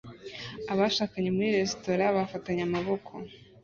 Abashakanye muri resitora bafatanye amaboko